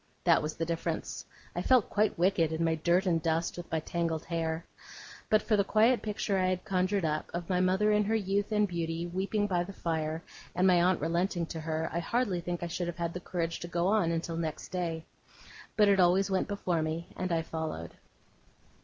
That was the difference. I felt quite wicked in my dirt and dust, with my tangled hair. But for the quiet picture I had conjured up, of my mother in her youth and beauty, weeping by the fire, and my aunt relenting to her, I hardly think I should have had the courage to go on until next day. But it always went before me, and I followed.